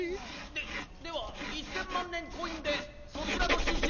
ででは１，０００まんねんコインでそちらのしんし